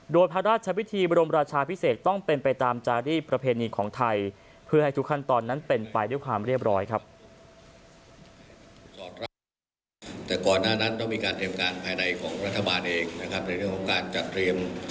โดยพระราชวิธีบรมราชาพิเศษต้องเป็นไปตามจารีสประเพณีของไทยเพื่อให้ทุกขั้นตอนนั้นเป็นไปด้วยความเรียบร้อยครับ